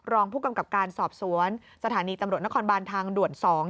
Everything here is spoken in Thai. รองผู้กำกับการสอบสวนสถานีตำรวจนครบานทางด่วน๒